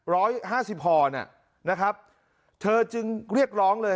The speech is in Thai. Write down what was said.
ร้อยห้าสิบห่อน่ะนะครับเธอจึงเรียกร้องเลย